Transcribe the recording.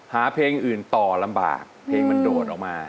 หาเพลงอื่นต่อลำบากเพลงมันโดดออกมา